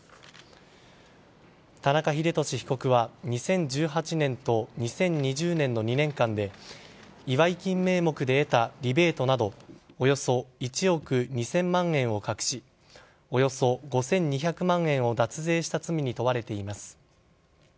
田中英寿被告は２０１８年と２０２０年の２年間で祝い金名目で得たリベートなどおよそ１億２０００万円を隠しおよそ５２００万円を脱税した罪に問われています。